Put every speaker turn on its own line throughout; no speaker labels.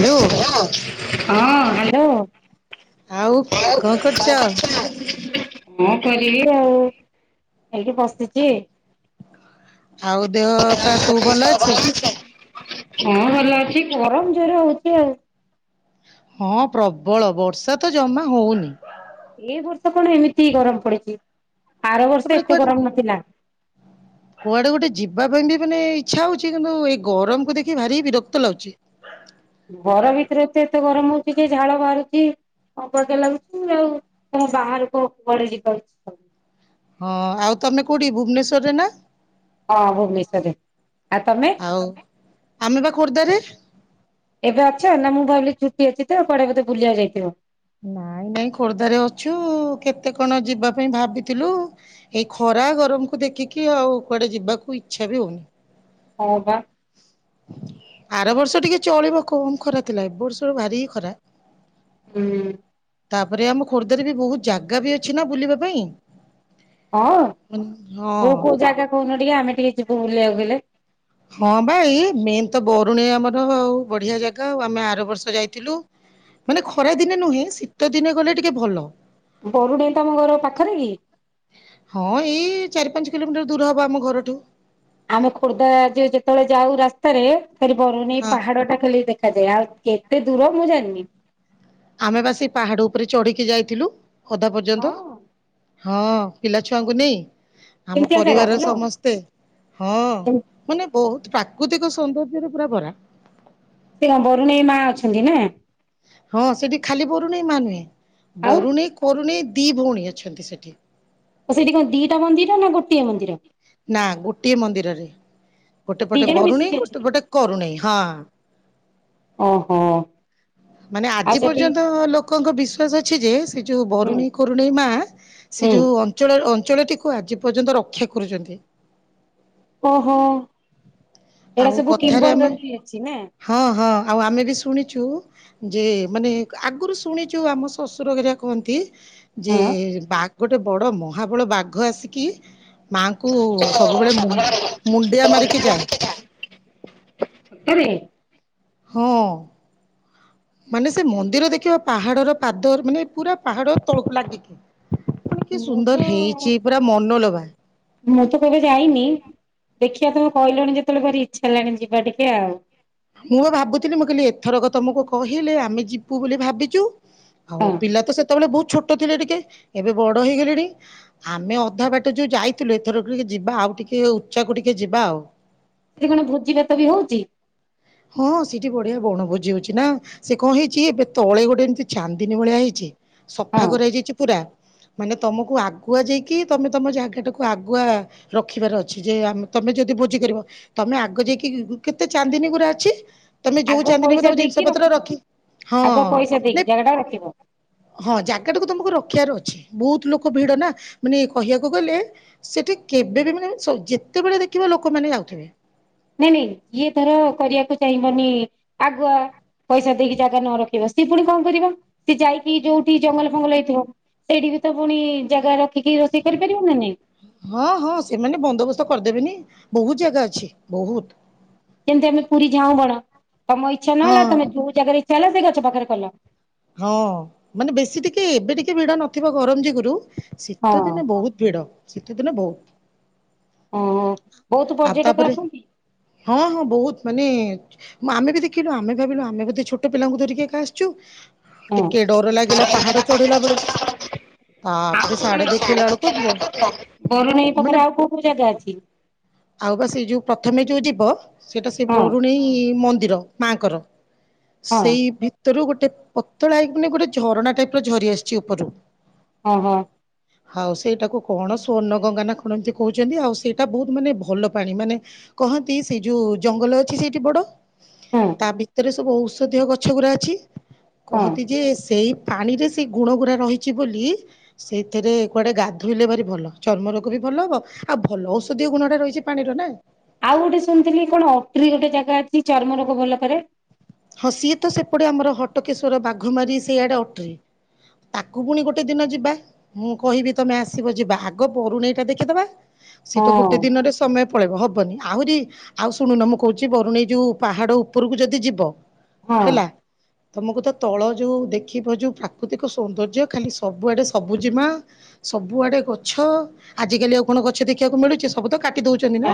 Hello
ହଁ। Hello.
ଆଉ କଣ କରୁଚ?
ହଁ [unintelligible] ଆଉ ଏଇଠି ବସିଚି।
ଆଉ ଦେହ ପା ସବୁ ଭଲ ଅଛି?
ହଁ ଭଲ ଅଛି। ଗରମ୍ ଜୋରେ ହଉଚି ଆଉ।
ହଁ ପ୍ରବଳ ବର୍ଷା ତ ଜମା ହଉନି।
ଏ ବର୍ଷ କଣ ଏମିତି ଗରମ ପଡିଚି। ଆର ବର୍ଷ
ତାପରେ
ଏତେ
କୁଆଡେ
ଗରମ୍ ନଥିଲା।
କୁଆଡେ ଗୋଟେ ଯିବା ପାଇଁ ବି ମାନେ ଇଚ୍ଛା ହଉଛି କିନ୍ତୁ ଏଇ ଗରମକୁ ଦେଖି ଭାରି ବିରକ୍ତ ଲାଗୁଛି।
ଘର ଭିତେରେ ଏତେ-ଏତେ ଗରମ୍ ହଉଚି ଯେ ଝାଳ ବାହାରୁଚି ଅବାଗିଆ ଲାଗୁଚି ଆଉ ତମେ ବାହାରକୁ କୁଆଡେ ଯିବା କୁ ଇଚ୍ଛା
ହଁ ଆଉ ତମେ କୋଉଠି ଭୁବନେଶ୍ୱର ରେ ନା?
ହଁ ଭୂବନେଶ୍ୱର ରେ। ଆଉ ତମେ
ଆଉ ଆମେ ବା ଖୋର୍ଦ୍ଧାରେ।
ଏବେ ଅଛ ନା ମୁଁ ଭାବିଲି ଛୁଟି ଅଛି ତ କୁଆଡେ ବୋଧେ ବୁଲିବାକୁ ଯାଇଥିବ।
ନାଇଁ-ନାଇଁ ଖୋର୍ଦ୍ଧାରେ ଅଛୁ କେତେ କଣ ଯିବା ପାଇଁ ଭାବିଥିଲୁ, ଏଇ ଖରା ଗରମ୍ କୁ ଦେଖିକି ଆଉ କୁଆଡେ ଯିବାକୁ ଇଚ୍ଛା ବି ହଉନି।
ହ ବା।
ଆର ବର୍ଷ ଟିକେ ଚଳିବ କମ୍ ଖରା ଥିଲା, ଏ ବର୍ଷ ଭାରି ଖରା।
ହୁଁ।
ତାପରେ ଆମ ଖୋର୍ଦ୍ଧାରେ ବି ବହୁତ ଜାଗା ବି ଅଛି ନା ବୁଲିବା ପାଇଁ
ହଁ କୋଉ
ହଁ
କୋଉ ଜାଗା କହୁନ ଟିକେ ଆମେ ଟିକେ ଯିବୁ ବୁଲିବାକୁ ଗଲେ।
ହଁ ବା ଏଇ ମେନ୍ ତ ବରୁଣେଇ ଆମର ଆଉ ବଢିଆ ଜାଗା ଆ ଆମେ ଆର ବର୍ଷ ଯାଇଥିଲୁ ମାନେ ଖରା ଦିନେ ନୁହେଁ ଶୀତ ଦିନେ ଗଲେ ଟିକେ ଭଲ।
ବରୁଡେଇ ତମ ଘର ପାଖରେ କି?
ହଁ ଏଇ ଚାରି ପାଞ୍ଚ କିଲୋମିଟର ଦୂର ହବ ଆମ ଘରଠୁ।
ଆମ ଖୋର୍ଦ୍ଧା ଯେ ଯେତେବେଳେ ଯାଉ ରାସ୍ତାରେ ସେଠୁ ବରୁଣେଇ
ହଁ।
ପାହାଡଟା ଖାଲି ଦେଖ ଆଉ କେତେ ଦୂର ମୁଁ ଜାଣିନି।
ଆମେ ବା ସେ ପାହାଡ ଉପରେ ଚଢିକି ଯାଇଥିଲୁ। ଅଧା ପର୍ଯ୍ୟନ୍ତ। ହଁ ପିଲାଛୁଆଙ୍କୁ ନେଇ ଆମ
କେମିତିଆ ଜାଗା
ପରିବାରର
ଭଲ
ସମସ୍ତେ ହଁ
ସେ
ମାନେ ବହୁତ ପ୍ରାକୃତିକ ସୌନ୍ଦର୍ଯ୍ୟରେ ପୁରା ଭରା।
ସେ ବରୁଣେଇ ମା ଅଛନ୍ତି ନା?
ହଁ ସେଠି ଖାଲି ବରୁଣେଇ ମା ନୁହେଁ।
ଆଉ
ବରୁଣେଇ କରୁଣେଇ ଦି ଭଉଣୀ ଅଛନ୍ତି ସେଠି।
ଓ ସେଇଠି କଣ ଦିଟା ମନ୍ଦିର ନା ଗୋଟିଏ ମନ୍ଦିର?
ନା ଗୋଟିଏ ମନ୍ଦିରରେ। ଗୋଟେ
ଦି
ପଟେ
ଜଣ
ବରୁଣେଇ
ମିଶିକି
ଗୋଟେ
ଅଛନ୍ତି
ଗୋଟେ କରୁଣେଇ ହଁ।
ଓହୋ।
ମାନେ
ଆଉ
ଆଜି
ସେଠି
ପର୍ଯ୍ୟନ୍ତ ଲୋକଙ୍କ ବିଶ୍ଵାସ ଅଛି ଯେ ସେ ଯୋଉ
ହୁଁ
ବରୁଣେଇ କରୁଣେଇ ମା ସେ
ହୁଁ
ଯୋଉ ଅଞ୍ଚଳ ଅ ଅଞ୍ଚଳଟିକୁ ଆଜି ପର୍ଯ୍ୟନ୍ତ ରକ୍ଷା କରୁଛନ୍ତି।
ଓହୋ। ଏଇଟା
ଆଉ
ସବୁ
କଥାରେ ଆମେ
କିମ୍ବଦନ୍ତୀ ଅଛି ନା
ହଁ ହଁ ଆଉ ଆମେ ବି ଶୁଣିଛୁ। ଯେ ମାନେ ଆଗରୁ ଶୁଣିଛୁ ଆମ ଶ୍ୱଶୁର ଏରିଆ କୁହନ୍ତି। ଯେ
ହଁ।
ବାକ ଗୋଟେ ବଡ ମହାବଳ ବାଘ ଆସିକି ମାଆଙ୍କୁ ସବୁବେଳେ ମୁ ମୁଣ୍ଡିଆ ମାରିକି ଯାଏ।
ସତରେ? [unintelligible]
ହଁ। ମାନେ ସେ ମନ୍ଦିର ଦେଖିବା ପାହାଡର ପାଦ ମାନେ ପୁରା ପାହାଡ ତଳକୁ ଲାଗିକି ମାନେ କି
ମୁଁ
ସୁନ୍ଦର
ତ
ହେଇଛି ପୁରା ମନଲୋଭା
ମୁଁ ତ କେବେ ଯାଇନି। ଦେଖିବା ତମେ କହିଲଣି ଯେତେବେଳେ ଭାରି ଇଚ୍ଛା ହେଲାଣି ଯିବା ଟିକେ ଆଉ।
ମୁଁ ବି ଭାବୁଥିଲି ମୁଁ କହିଲି ଏଥରକ ତମକୁ କହିଲେ ଆମେ ଯିବୁ ବୋଲି ଭାବିଛୁ।
ହଁ।
ଆଉ ପିଲା ତ ସେତେବେଳେ ବହୁତ ଛୋଟ ଥିଲେ ଟିକେ। ଏବେ ବଡ ହେଇଗଲେଣି ଆମେ ଅଧା ବାଟ ଯୋଉ ଯାଇଥିଲୁ ଏଥରକୁ ଟିକେ ଯିବା ଆଉ ଟିକେ ଉଚ୍ଚାକୁ ଟିକେ ଯିବା ଆଉ।
ସେଠି କଣ ଭୋଜିଭାତ ବି ହଉଛି?
ହଁ ସେଠି ବଢିଆ ବଣଭୋଜି ହଉଛି ନା ସେ କଣ ହେଇଛି ଏବେ ତଳେ ଗୋଟେ ଏମିତି ଚାନ୍ଦିନୀ ଭଳିଆ ହେଇଛି। ସଫା
ହଁ
କରାହେଇଯାଇଛି ପୁରା ମାନେ ତମକୁ ଆଗୁଆ ଯାଇକି ତମେ ତମ ଜାଗାଟାକୁ ଆଗୁଆ ରଖିବାର ଅଛି ଯେ ଆମ ତମେ ଯଦି ଭୋଜି କରିବ ତମେ ଆଗ ଯାଇକି କେତେ ଚାନ୍ଦିନୀ ଗୁରା ଅଛି। ତମେ ଯୋଉ
ଆଗ
ଚାରିଦିନ ରହିବ
ପଇସା
ତମ ଜିନିଷ
ଦେଇକି
ପତ୍ର
ରଖିବ।
ରଖି ହଁ
ଆଗ ପଇସା ଦେଇକି
ନାଇ
ଜାଗା ଟା ରଖିବ
ହଁ ଯାଗା ଟାକୁ ତମକୁ ରଖ ରଖିବାର ଅଛି ବହୁତ ଲୋକ ଭିଡ ନା ମାନେ କହିବାକୁ ଗଲେ ସେଠି କେବେ ବି ମାନେ ଯେତେବେଳେ ଦେଖିବ ଲୋକମାନେ ଯାଉଥିବେ।
ନାଇଁ ନାଇଁ ଇଏ ଧର କରିବାକୁ ଚାହିଁବନି ଆଗୁଆ ପଇସା ଦେଇକି ଜାଗା ନ ରଖିବ ସିଏ ପୁଣି କଣ କରିବ ସିଏ ଯାଇକି ଯୋଉଠି ଜଙ୍ଗଲ ଫଙ୍ଗଲ ହେଇଥିବ ସେଇଠି ବି ତ ପୁଣି ଜାଗା ରଖିକି ରୋଷେଇ କରିପାରିବ ନା ନାଇଁ।
ହଁ ହଁ ସେମାନେ ବନ୍ଦୋବସ୍ତ କରିଦେବେନି ବହୁତ ଜାଗା ଅଛି ବହୁତ।
ଯେମତି ଆମେ ପୁରୀ ଝାଉଁ ବଣ। ତମ ଇଚ୍ଛା
ହଁ
ନହେଲା ତମେ ଯଉ ଜାଗା ରେ ଚାଲ ସେଇ ଗଛ ପାଖରେ କଲ
ହଁ ମାନେ ବେଶୀ ଟିକେ ଏବେ ଟିକେ ଭିଡ ନଥିବ ଗରମ ଯୋଗୁରୁ
ହଁ
ଶୀତଦିନେ ବହୁତ ଭିଡ। ଶୀତ ଦିନେ ବହୁତ୍
ହଁ ବହୁତ ପର୍ଯ୍ୟଟକ ଆସନ୍ତି।
ହଁ ହଁ ବହୁତ ମାନେ ଆମେ ବି ଦେଖିଲୁ ଆମେ ଭାବିଲୁ ଆମେ ବୋଧେ ଛୋଟ ପିଲାଙ୍କୁ ଧରିକି ଏକା ଆସିଛୁ।
ହଁ।
ଟିକେ ଡର ଲାଗିଲା ପାହାଡ ଚଢିଲା ବେଳକୁ ତାପରେ ସାଡେ ଦେଖିଲା ବେଳକୁ ବହୁ
ବରୁଣେଇ
ମାନେ
ପାଖରେ ଆଉ କୋଉ କୋଉ ଜାଗା ଅଛି?
ଆଉ ବା ସେ ଯୋଉ ପ୍ରଥମେ ଯୋଉ ଯିବୁ। ବ ସେଇଟା ସେ
ହଁ
ବରୁଣେଇ ମନ୍ଦିର। ମା ଙ୍କର।
ହଁ
ସେଇ ଭିତରୁ ଗୋଟ [unintelligible] ପତଳା ହେଇକି ମାନେ ଗୋଟେ ଝରଣା ଟାଇପ ର ଝରି ଆସିଛି ଉପରୁ
ଓ ହୋ।
ଆଉ ସେଇଟାକୁ କଣ ସ୍ଵର୍ଣ୍ଣ ଗଙ୍ଗା ନା କଣ ଏମିତି କହୁଛନ୍ତି ଆଉ ସେଇଟା ବହୁତ ମାନେ ଭଲ ପାଣି ମାନେ କହନ୍ତି ସେଇ ଯୋଉ ଜଙ୍ଗଲ ଅଛି ସେଇଠି ବଡ ତା
ହଁ
ଭିତରେ ସବୁ ଔ ଷଧିୟ ଗଛଗୁରା ଅଛି।
ହଁ
କହନ୍ତି ଯେ ସେଇ ପାଣିରେ ସେଇ ଗୁଣ ଗୁରା ରହିଛି ବୋଲି ସେଥିରେ କୁଆଡେ ଗାଧୋଇଲେ ଭାରି ଭଲ ଚର୍ମ ରୋଗ ବି ଭଲ ହବ ଆଉ ଭଲ ଔଷଧୀୟ ଗୁଣ ଟା ରହିଛି ପାଣିର ନା।
ଆଉ ଗୋଟେ ଶୁଣିଥିଲି କଣ ଅଟ୍ରି ଗୋଟେ ଜାଗା ଅଛି ଚର୍ମ ରୋଗ ଭଲ କରେ।
ହଁ ସିଏ ତ ସେପଟେ ଆମର ହଟକେଶ୍ୱର ବାଘମାରି ସେଇଆଡେ ଅଟ୍ରି ତାକୁ ପୁଣି ଗୋଟେ ଦିନ ଯିବା ମୁଁ କହିବି ତମେ ଆସିବ ଯିବା ଆଗ ବରୁଣେଇ ଟା ଦେଖିଦବା। ସେଇଟା
ହଁ
ଗୋଟେ ଦିନରେ ସମୟ ପଳେଇବ ହବନି ଆହୁରି ଆଉ ଶୁଣୁନ ମୁଁ କହୁଛି ବରୁଣେଇ ଯେଉଁ ପାହାଡ଼ ଉପରକୁ ଯଦି ଯିବ
ହଁ।
ହେଲା ତମକୁ ତ ତଳ ଯୋଉ ଦେଖିବ ଯୋଉ ପ୍ରାକୃତିକ ସୌନ୍ଦର୍ଯ୍ୟ ଖାଲି ସବୁଆଡେ ସବୁଜିମା ସବୁଆଡେ ଗଛ ଆଜିକାଲି ଆଉ କଣ ଗଛ ଦେଖିବାକୁ ମିଳୁଛି ସବୁ ତ କାଟ ଟି ଦଉଛନ୍ତି ନା।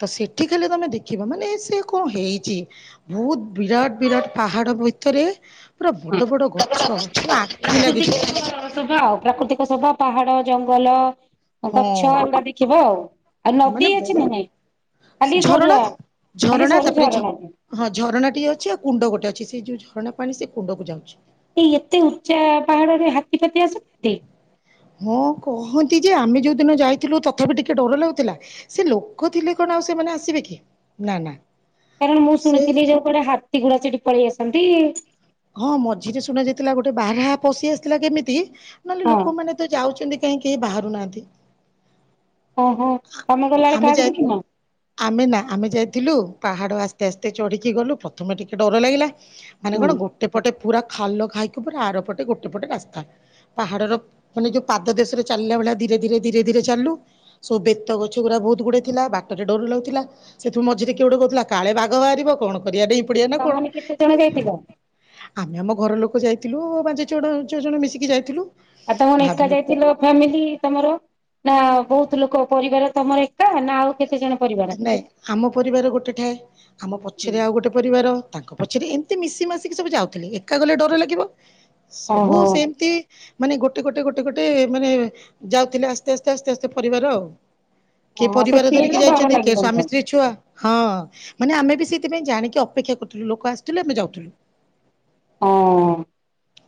ତ ସେଠି ଖାଲି ତମେ ଦେଖିବା ମାନେ ସେ କଣ ହେଇଛି। ବହୁତ ବିରାଟ ବିରାଟ ପାହାଡ ଭିତରେ ପୁରା ବଡ ବଡ ଗ ଛ ପୁରା ଆଖି ଲାଗିଯିବ।
ଶୋଭ ଆଉ ପ୍ରାକୃତିକ ଶୋଭା ପାହାଡ ଜଙ୍ଗଲ।
ହଁ
ଗଛ ଏଗୁଡା ଦେଖିବ ଆଉ ଆଉ ନଦୀ
ମାନେ
ଅଛି ନା
ବହୁ
ନାଇଁ ଖାଲି ସରୁଆ
ଝରଣା
ଖାଲି
ଝରଣା
ସରୁ
ତାପରେ
ଝରଣା ଅଛି।
ହଁ ଝରଣା ଟିକେ ଅଛି ଆଉ କୁଣ୍ଡ ଗୋଟେ ଅଛି। ସେ ଯୋଉ ଝରଣା ପାଣି ସେ କୁଣ୍ଡ କୁ ଯାଉଛି।
ଏଇ ଏତେ ଉଚ୍ଚା ପାହାଡରେ ହାତୀପାତି ତୀ ଆସନ୍ତି।
ହଁ କହନ୍ତି ଯେ ଆମେ ଯୋଉ ଦିନ ଯାଇଥିଲୁ ତଥାପି ଟିକେ ଡର ଲାଗୁଥିଲା ସେ ଲୋକ ଥିଲେ କଣ ଆଉ ସେମାନେ ଆସିବେ କି ନା ନା।
କାରଣ ମୁଁ
ସେ
ଶୁଣିଥିଲି ଯୋଉକୁଆଡ଼େ ହାତୀ ଗୁଡା ସେଠ ପଳେଇ ଆସ ନ୍ତି।
ହଁ ମଝିରେ ଶୁଣା ଯାଇଥିଲା ଗୋଟେ ବାହା ପଶି ଆସିଥିଲା କେମିତି। ନହେଲେ
ହଁ
ଲୋକମାନେେ ତ ଯାଉଚନ୍ତି କାହିଁକି କେହି ବାହାରୁନାହାନ୍ତି।
ଓହୋ ତମେ ଗଲାବେଳେ
ଆମେ
କାହାକୁ
ଯାଇ
ଦେଖିନ?
ଆମେ ନା ଆମେ ଯାଇଥିଲୁ। ପାହାଡ଼ ଆସ୍ତେ ଆସ୍ତେ ଚଢ଼ିକି ଗଲୁ ପ୍ରଥମେ ଟିକେ ଡର ଲାଗିଲା। ମାନେ
ହୁଁ
କଣ ଗୋଟେ ପଟେ। ପୁରା ଖାଲ ଖାଇକି ପୁରା ଆର ପଟେ ଗୋଟେ ପଟେ ରାସ୍ତା ପାହାଡର ମାନେ ଯୋଉ ପାଦ ଦେଶରେ ଚାଲିଲା ଭଳିଆ ଧୀରେ ଧୀରେ ଧୀରେ ଧୀରେ ଚାଲୁ। ସବୁ ବେତ ଗଛ ଗୁର ବହୁତ ଗୁଡେ ଥିଲା ବାଟରେ ଡରୁ ଲାଗୁଥିଲା ସେଥିରୁ ମଝିରେ କିଏ ଗୋଟେ କହୁଥିଲା କାଳେ ବାଘ ବାହାରିବ କଣ କରିବା ଡେଇ ପଡ଼ିବା ନା
ତମମାନେ କେତେ ଜଣ
କଣ
ଯାଇଥିଲ?
ଆମେ ଆମ ଘର ଲୋକ ଯାଇଥିଲୁ ପାଞ୍ଚ ଛଅ ଛଅ ଜଣ ମିଶିକି ଯାଇଥିଲୁ।
ଆଉ ତମ [unintelligible]
ଭାବିଲୁ
ଯାଇଥିଲ ଫ୍ୟାମିଲି ତମର। ନା ବହୁତ ଲୋକ ପରିବାର ତମର ଏକା ନା ଆଉ କେତେ ଜଣ ପରିବାର?
ନାଇଁ ଆମ ପରିବାର ଗୋଟେ ଠାଏ ଆମ ପଛରେ ଆଉ ଗୋଟେ ପରିବାର। ତାଙ୍କ ପଛରେ ଏମିତି ମିଶି ମାସିକି ସବୁ ଯାଉଥିଲି ଏକା ଗଲେ ଡର ଲାଗିବ। ସବୁ
ଓହୋ
ସେମତି। ମାନେ ଗୋଟେ ଗୋଟେ ଗୋଟେ ଗୋଟେ ମାନେ ଯାଉଥିଲେ ଆସ୍ତେ ଆସ୍ତେ ଆସ୍ତେ ଆସ୍ତେ ପରିବାର ଆଉ।
ହଁ
ପରିବାର
ସେଠି
ଧରିକି
ହେଲେ ଡର
ଯାଇଛନ୍ତି କି
ଲାଗିବନି
ସ୍ୱାମୀ
ଆଉ
ସ୍ତ୍ରୀ ଛୁଆ। ହଁ ମାନେ ଆମେ ବି ସେଇଥିପାଇଁ ଜାଣିକି ଅପେକ୍ଷା କରୁଥିଲୁ ଲୋକ ଆସୁଥିଲେ ଆମେ ଯାଉଥିଲୁ।
ହଁ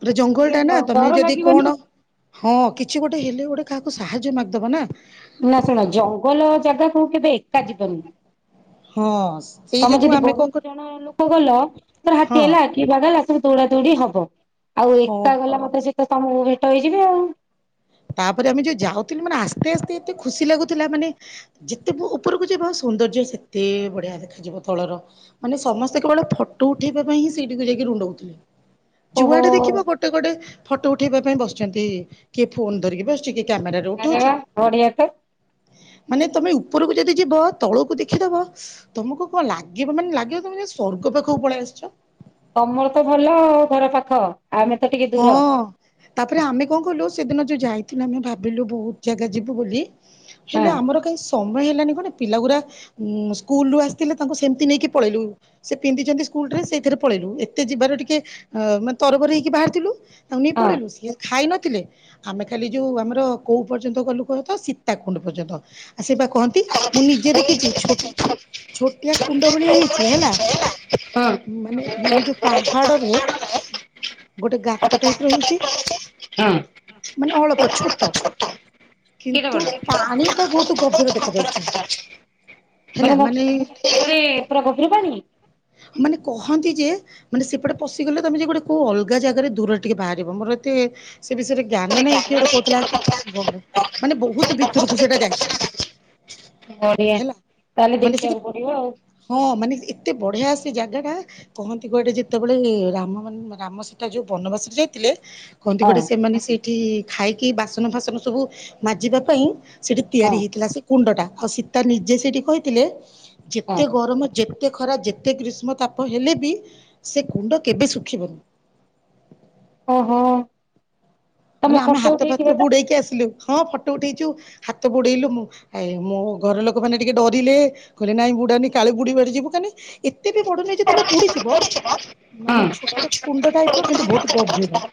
ଗୋଟେ ଜଙ୍ଗଲ ଟା ନା
ଡ
ତମେ
ଡର
ଯଦି
ଲାଗିବନି?
କଣ ହଁ କିଛି ଗୋଟେ ହେଲେ ଗୋଟେ କାହାକୁ ସାହାଯ୍ୟ ମାଗିଦବ ନା।
ନା ଶୁଣ ଜଙ୍ଗଲ ଜାଗା କୁ କେବେ ଏକା ଯିବନି।
ହଁ ସେଇ
ତମେ
ଯୋଗୁ
ଯଦି
ଆମେ କଣ କରୁ
ବହୁତ ଜଣ ଲୋକ ଗଲ। ତ
ହଁ
ହାତୀ ଅଇଲା କି ବାଘ ହେଲା ଦ‌‌ୌଡ଼ା ଦୋଡ଼ି ହବ ଆଉ
ହଁ।
ଏକା ଗଲା ମତେ ସେଠି‌ କାମ କରି ହେଇଯିବେ ଆଉ
ତାପରେ ଆମେ ଯୋଉ ଯାଉଥୁଲୁ ମାନେ ଆସ୍ତେ ଆସ୍ତେ ଏତେ ଖୁସି ଲାଗୁଥୁଲା ମାନେ ଯେତେ ଉପରକୁ ଯିବ ସୌନ୍ଦର୍ଯ୍ୟ ସେତେ ବଢିଆ ଦେଖାଯିବ ତଳର ମାନେ ସମସ୍ତେ କେବଳ ଫଟୋ ଉଠେଇବା ପାଇଁ ହିଁ ସେଇଠିକୁ ଯାଇକି ରୁଣ୍ଡ ହୋଉଥିଲେ।
ଓହୋ
ଯୁଆଡେ ଦେଖିବ ଗୋଟେ ଗୋଟେ ଫଟୋ ଉଠେଇବା ପାଇଁ ବସିଚନ୍ତି କିଏ ଫୋନ୍ ଧରିକି ବସିଚି କିଏ କ୍ୟାମେରାରେ
ଆରେ
ଉଠଉଛି
ବାଃ ବଢିଆ ତ।
ମାନେ ତମେ ଉପରକୁ ଯଦି ଯିବ ତଳକୁ ଦେଖିଦବ, ତମକୁ କଣ ଲାଗିବ, ମାନେ ଲାଗିବ ତମେ ସ୍ଵର୍ଗ ପାଖକୁ ପଳେଇ ଆସିଚ।
ତମରତ ଭଲ ଆଉ, ଘର ପାଖ। ଆମେ ତ ଟିକେ
ହଁ,
ଦୂର
ତାପରେ ଆମେ କଣ କଲୁ ସେଦିନ ଯଉ ଯାଇ ଥିଲ, ଆମେ ଭାବିଲୁ ବହୁତ ଜାଗା ଯିବୁ ବୋଲି। ହେଲେ
ହଁ
ଆମର କା ସମୟ ହେଲାନି। କଣ ପିଲାଗୁରା ସ୍କୁଲୁରୁ ଆସିଥିଲେ ତାଙ୍କୁ ସେମିତି ନେଇକି ପଳେଇଲୁ। ସେ ପିନ୍ଧିଚନ୍ତି ସ୍କୁଲ ଡେସ୍ ସେଇଥିରେ ପଳେଇଲୁ। ଏତେ ଯିବାର ଟିକେ ଅ ମାନେ ତରବର ହେଇକି ବାହାର ଥିଲୁ ଆମେ
ହଁ।
ପଳେଇଲୁ ସେ ଖାଇଲା ଥିଲେ। ଆମେ ଖାଲି ଯଉ ଆମର କୋଉ ପର୍ଯ୍ୟନ୍ତ ଗଲୁ କହତ ସୀତାକୁଣ୍ଡ ପର୍ଯ୍ୟନ୍ତ। ଆଉ ସେ ବା କହନ୍ତି ମୁଁ ନିଜେ ଦେଖିଚି ଛୋଟ ଛୋଟିଆ କୁଣ୍ଡ ଭଳିଆ ହେଇଚି ହେଲା। ମାନେ? ମାନେ
ଗୋଟେ
ଯଉ ପାହାଡରେ ଗୋଟେ ଗାତ ଟାଇପର ହେଇଚି।
ଟାଇପ୍ ର ହେଇଛି। ହଁ।
ମାନେ ଅଳ୍ପ ଛୋଟ
କେଡେ
କିନ୍ତୁ
ବଡ?
ପାଣି ଏଇଟା ବହୁତ ଗଭୀର ଦେଖାାଯାଉଛି।
ମାନେ ମୁଁ [unintelligible] ପୁରା ଗଭିର ପାଣି
ମାନେ କହନ୍ତି ଯେ, ମାନେ ସେପଟେ ପଶିଗଲେ ତମେ ଯେ ଗୋଟେ କୁ ଅଲଗା ଲଗା ଜାଗାରେ ଦୂରରେ ଟିକେ ବାହାରିବ। ମୋର ଏତେ ସେ ବିଷୟରେ ଜ୍ଞାନ ନାଇଁ କିଏ ଗୋଟେ କହୁଥିଲା [unintelligible] ମାନେ ବହୁତ ଭିତରକୁ ସେଟା
ବଢିଆ
ଯାଇଛି। ହେଲା
ତାହେଲେ
ମାନେ ସେଟା
ଦେଖିବାକୁ ପଡିବ
ହଁ ମାନେ ଏତେ ବଢିଆ ସେ ଜାଗାଟା କହନ୍ତି କୁଆଡ଼େ ଯେତେବେଳେ ରାମ ମାନେ ରାମ ସୀ ତା ଯଉ ବନବାସରେ ଯାଇଥିଲେ। କହନ୍ତି
ଆଉ ହଁ
ଗୋଟେ ସେମାନେ ସେ ଏଠି ଖାଇକି ବାସନ ଫାସନ ସବୁ ମାଜିବା ପାଇଁ ସେଟି
ହଁ
ତିଆରି ହେଇଥିଲା ସେ କୁଣ୍ଡଟା। ଆଉ ସୀତା ନିଜେ ସେଇଠି କହିଥିଲେ
ହଁ
ଯେତେ ଗରମ ଯେତ ଏତେ ଖରାପ, ଯେତେ ଗ୍ରୀଷ୍ମ ତାପ ହେଲେ ବି ସେ କୁଣ୍ଡ କେବେ ଶୁଖିବନି।
ଓହୋ। ତମେ
ମାନେ ଆମ
ଫଟୋ
ହାତ ଫାତ
ଉଠେଇଥିବ ତ
ବୁଡେଇକି ଆସିଲୁ। ହଁ ଫଟୋ ଉଠେଇଚୁ। ହାତ ବୁଡେଇଲୁ। ମୁଁ ଆ ମୋ ଘର ଲୋକ ମାନେ ଟିକେ ଡରିଲେ, କହିଲେ ନାଇଁ ବୁଡାନୀ କାଳେ ବୁଡ଼ି ବାଡ଼ି ଯିବୁ କାଲି। ଏତେ ବି ବଡ଼ ନା ଯେ ତମେ ବୁଡିଯିବ
ହଁ
ମାନେ ଛୋଟ କୁଣ୍ଡ ଟାଇପ ର କିନ୍ତୁ ବହୁତ ଗଭୀର।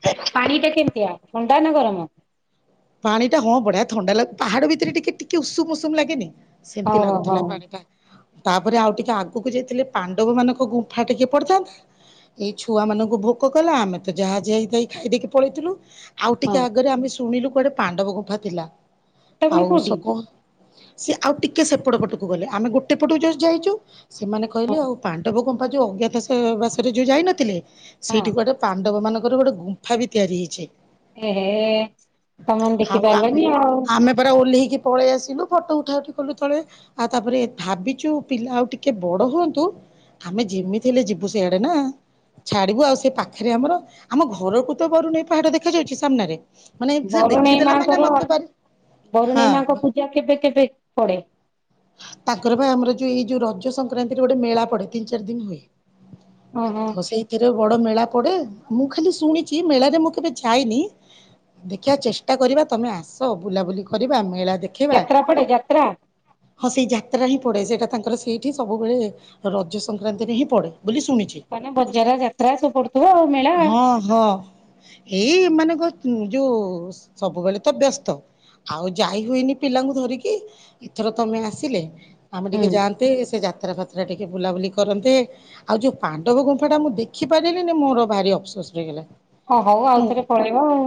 ଦାନ କରରମ।
ପାଣି ଟା ହଁ ବଢିଆ ଥଣ୍ଡା ଲାଗେ ପାହାଡ ଭିତରେ ଟିକେ ଟିକେ ଉଷୁମ ଉଷୁମ ଲାଗେନି। ସେମିତି
ହଉ ହଉ
ଲାଗୁଥିଲା
ହଉ
ପାଣି ଟା। ତାପରେ ଆଉ ଟିକେ ଆଗକୁ ଯାଇଥିଲେ ପାଣ୍ଡବ ମାନଙ୍କ ଗୁମ୍ଫା ଟିକେ ପଡିଥାନ୍ତା ଏଇ ଛୁଆ ମାନଙ୍କୁ ଭୋକ କଲା ଆମେ ତ ଯାହା ଯା ହେଇଥାାଇ ଖାଇଦେଇକି ପଳେଇଥିଲୁ। ଆଉ ଟିକେ
ହଉ
ଆଗରେ ଆମେ ଶୁଣିଲୁ ଗୋଟେ ପାଣ୍ଡବ ଗୁଫା ଥିଲା।
ସେଟା ପୁଣି
ଆଉଷ
କୋଉଠି
ସକୋ ସି ଆଉ ଟିକେ ସେପଟ ପଟକୁ ଗଲେ ଆମେ ଗୋଟେ ପଟକୁ ଯାଇଛୁ। ସେମାନେ କହିଲେ
ହଁ
ଆଉ ପାଣ୍ଟ ପୋକ ଯେଉଁ ଅଜ୍ଞାତ ବାସରେ ଯେଉଁ ଯାଇନଥିଲେ।
ହଁ
ସେଇଠିକୁ ଗୋଟେ ପାଣ୍ଡବ ମାନଙ୍କ ତାର ଗୋଟେ ଗୁମ୍ଫା ବି ତିଆରି ହେଇଛି।
ଏହେ ତମେମାନେ ଦେଖି
ଆଉ ଆମେ
ପାରିଲନି ଆଉ
ଆମେ ପରା ପଳେଇ ଆସିଲୁ ଫଟୋ ଉଠା ଉଠି କଲୁ ତଳେ ଆଉ ତାପରେ ଭାବିଛୁ ପିଲା ଆଉ ଟିକେ ବଡ ହୁଅନ୍ତୁ ଆମେ ଯେମିତି ହେଲେ ଯିବୁ ସେଆଡେ ନା ଛାଡିବୁ ଆଉ ସେ ପାଖରେ ଆମର ଆମ ଘରକୁ ତ ବରୁନହି ପାହାଡ ଦେଖାଯାଉଛି ସାମ୍ନାରେ। ମାନେ ସେ
ବରୁଣେଇ
ଦେଖିଦେଲା ମାନେ
ମାଙ୍କର
ମତେ ଭାରି ହଁ
ବରୁଣେଇ ମାଙ୍କ ପୂଜା କେବେ କେବେ ପଡେ?
ତାଙ୍କର ପାଇଁ ଆମର ଯୋଉ ଏଇ ଯୋଉ ରଜ ସଂକ୍ରାନ୍ତିରେ ଗୋଟେ ମେଳା ପଡେ ତିନି ଚାରି ଦିନ ହୁଏ।
ଓହୋ
ତ ସେଇଥିରେ ବଡ ମେଳା। ପଡେ ମୁଁ ଖାଲି ଶୁଣିଛି ମେଳାରେ ମୁଁ କେବେ ଯାଇନି ଦେଖିବା ଚେଷ୍ଟା କରିବା ତମେ ଆସ ବୁଲାବୁଲି କରିବା ମେଳା।
ଯାତ୍ରା ପଡେ ଯାତ୍ରା
ହ ସେଇ ଯାତ୍ରା ହିଁ ପଡ଼େ ସେଇଟା ତାଙ୍କର ସେଇଠି ସବୁବେଳେ ରଜ ସଂକ୍ରାନ୍ତିରେ ହିଁ ପଡ଼େ। ବୋଲି ଶୁଣିଛି
ମାନେ ବଜାର ଯାତ୍ରା ସବୁ ପଡୁଥିବ ଆଉ ମେଳା
ହଁ ହଁ ଏଇ ମାନେ କ ଯେଉ ସବୁବେଳେ ତ ବ୍ୟସ୍ତ ଆଉ ଯାଇ ହୁଏନି ପିଲାଙ୍କୁ ଧରିକି। ଥର ତମେ ଆସିଲେ। ଆମେ
ହୁଁ
ଟିକେ ଯାନ୍ତେ ସେ ଯାତ୍ରା ଫ ସେଟା ଟିକେ ବୁଲାବୁଲି କରନ୍ତେ ଆଉ ଯୋଉ ପାଣ୍ଡବ ଗୁମ୍ଫାଟା ମୁଁ ଦେଖିପାରିଲିନି ମୋର ଭାରି ଅଫସୋସ ରହିଗଲା।
ଓ ହଉ ଆଉଥରେ ପଳେଇବ ଆଉ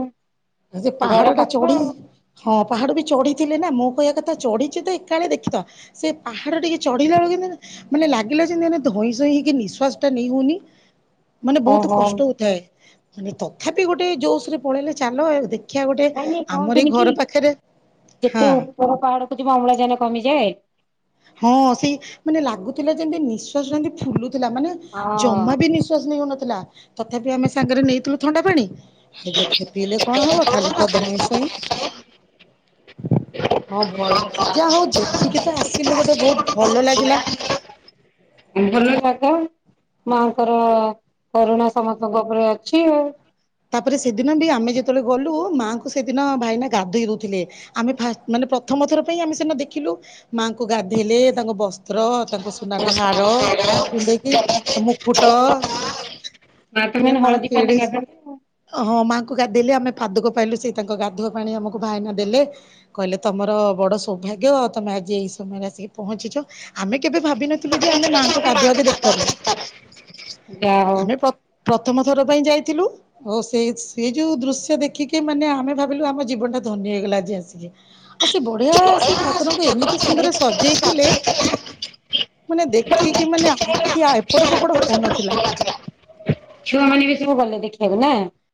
ପାହାଡ
ଘର
ଟା
ପାଖ
ଚଢି
ଆଉ
ହଁ ପାହାଡ ବି ଚଢିଥିଲେ ନା ମୁଁ କହିଆ କଥା ଚଢିଛି ଦେଖ କାଳେ ଦେଖିବା ସେ ପାହାଡ ଟିକେ ଚଢିଲା ବେଳ କୁ ମାନେ ଲାଗିଲା ଯେମତି ଧଇଁ ସଇଁ ହେଇକି ନିଶ୍ୱାସ ଟା ନେଇ ହଉନି ମାନେ ବହୁତ
ଓହୋ
କଷ୍ଟ ହଉଥାଏ। ମାନେ ତଥାପି ଗୋଟେ ଜୋସ ରେ ପଳେଇଲେ ଚାଲ ଦେଖ
ନାଇଁ ନାଇଁ କହନ୍ତିନି କି
ହଁ
ଯେତେ ଉପର ପାହାଡକୁ ଯିବ ଅମ୍ଳାଜାନ କମିଯାଏ।
ହଁ ସେଇ ମାନେ ଲାଗୁଥିଲା ଯେମିତି ନିଶ୍ଵାସଟା ଫୁଲୁଥ ଥିଲା ମାନେ
ହଁ
ଜମା ବି ନିଶ୍ୱାସ ନେଇ ହଉନଥିଲା ଥିଲା ତଥାପି ଆମେ ସାଙ୍ଗରେ ନେଇଥିଲୁ ଥଣ୍ଡା ପାଣି ଯେତେ ପିଇଲେ କଣ ହବ ଖାଲି ତ ଧଇଁ ସଇଁ ହଁ ଭଲ ଯାହା ହଉ ଦେଖିକି ତ ଆସି କିନ୍ତୁ ଗୋଟେ ବହୁତ ଭଲ ଲାଗିଲା।
ଭଲ ଜାଗା। ମାଙ୍କର କରୁଣା ସମସ୍ତଙ୍କ ଉପରେ ଅଛି ଆଉ।
ତାପରେ ସେଦିନ ବି ଆମେ ଯେତେବେଳେ ଗଲୁ ମାଆଙ୍କୁ ସେଦିନ ଭାଇନା ଗାଧୋଇ ଦଉଥିଲେ ଆମେ ଫାଷ୍ଟ ମାନେ ପ୍ରଥମ ଥର ପାଇଁ ଆମେ ସେନା ଦେଖିଲୁ ମାଆଙ୍କୁ ଗାଧେଇଲେ ତାଙ୍କ ବସ ପତ୍ର ତାଙ୍କୁ ସୁନାର ହାର ପିନ୍ଧେଇକି ତା ମୁକୁଟ
ନାତି ମାନେ ହଳଦୀପାଣୀରେ ଗାଧାନ୍ତି ଆଉ
ମୋ ମାଆଙ୍କୁ ଗାଧେଇଲେ ଆମେ ପାଦୁକ ପାଇଲୁ ସେ ତାଙ୍କ ଗାଧୁଆ ପାଣି ଆମକୁ ଭାଇନା ଦେଲେ କହିଲେ ତମର ବଡ ସୌଭାଗ୍ୟ ତମେ ଆଜି ଏଇ ସମୟରେ ଆସିକି ପହଞ୍ଚିଛ ଆମେ କେବେ ଭାବିିନଥିଲୁ ଯେ ଆମେ ମାଆଙ୍କୁ ଗାଧୁଆ ବି ଦେଖିପାରିବୁ।
ଯାହଉ
ଆମେ ପ୍ର ପ୍ରଥମ ଥର ପାଇଁ ଯାଇଥିଲୁ ଓ ସେ ସେଇ ଯୋଉ ଦୃଶ୍ୟ ଦେଖିକି ମାନେ ଆମେ ଭାବିଲୁ ଆମ ଜୀବନ ଟା ଧନ୍ୟ ହେଇଗଲା ଆଜି ଆସିକି ଆଉ ସ ସେ ବଢିଆ ସେ ଠାକୁରଙ୍କୁ ଏମିତି ସୁନ୍ଦର ସଜେଇଥିଲେ। ମାନେ ଦେଖିକି ମାନେ ଆଖି ଏପଟ ସେପଟ ହଉନଥିଲା।
ଛୁଆମାନେ ବି ସବୁ ଗଲେ ଦେଖିବାକୁ ନା?